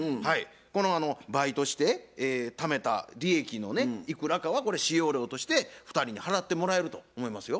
このバイトしてためた利益のいくらかはこれ使用料として２人に払ってもらえると思いますよ。